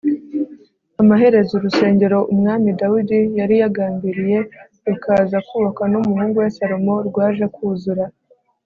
amaherezo urusengero umwami dawidi yari yagambiriye, rukaza kubakwa n'umuhungu we salomo rwaje kuzura